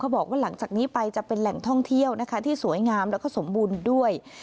บอกว่าหลังจากนี้ไปจะเป็นแหล่งท่องเที่ยวนะคะที่สวยงามแล้วก็สมบูรณ์ด้วย